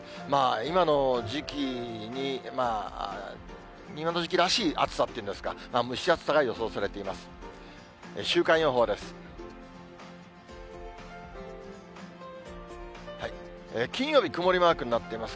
今の時期に、今の時期らしい暑さって言うんですか、蒸し暑さが予想されています。